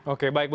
oke baik bu